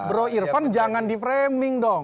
bro irfan jangan di framing dong